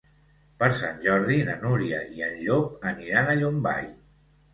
Per Sant Jordi na Núria i en Llop aniran a Llombai.